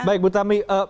baik bu tami